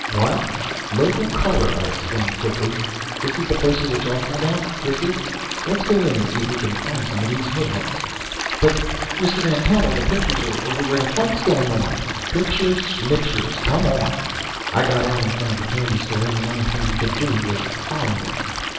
"What " "Local color," I explained quickly. "This the place you were talking about? Chris's? Let's go in and see if we can find some of these hoodlums." "But, Mr. Van Pelt, all the pictures are over where the fight's going on!" "Pictures, shmictures! Come on!" I got out in front of the candy store, and the only thing he could do was follow me.